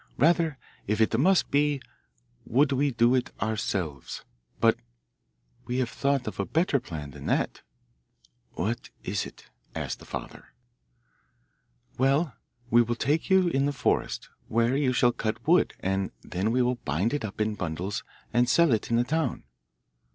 Rather, if it must be, would we do it ourselves. But we have thought of a better plan than that.' 'What is it?' asked the father. 'Well, we will take you in the forest, where you shall cut wood, and then we will bind it up in bundles and sell it in the town.